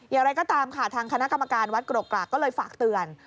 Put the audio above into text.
อย่างไรก็ตามค่ะทางคณะกรรมการวัดกรกกรากก็เลยฝากเตือน